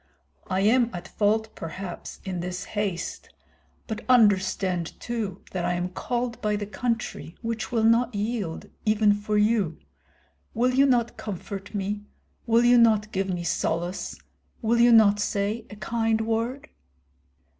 I am at fault perhaps in this haste; but understand too that I am called by the country, which will not yield even for you. Will you not comfort me, will you not give me solace, will you not say a kind word?"